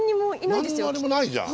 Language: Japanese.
何のあれもないじゃん。